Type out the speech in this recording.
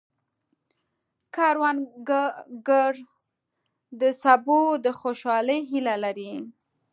کروندګر د سبو د خوشحالۍ هیله لري